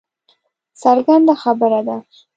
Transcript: څرګنده خبره ده